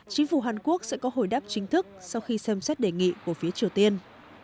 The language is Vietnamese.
chính phủ hàn quốc sẽ có hồi đáp chính thức sau khi xem xét đề nghị của phía triều tiên